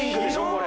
これ。